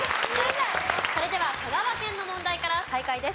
それでは香川県の問題から再開です。